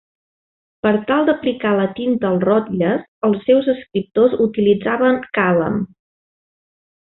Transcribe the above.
Per tal d'aplicar la tinta als rotlles, els seus escriptors utilitzaven càlam.